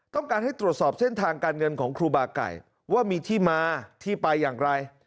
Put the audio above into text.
ต้องการให้ตรวจสอบเส้นทางการเงินของครูบาไก่ว่ามีที่มาที่ไปอย่างไร